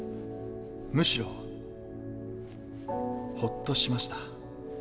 むしろホッとしました。